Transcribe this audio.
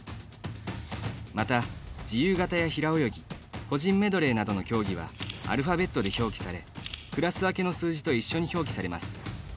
また、自由形や平泳ぎ個人メドレーなどの競技はアルファベットで表記されクラス分けの数字と一緒に表記されます。